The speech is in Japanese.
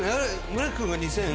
村木君が２０００？